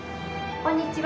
こんにちは。